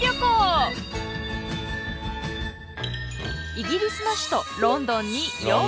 イギリスの首都ロンドンにようこそ。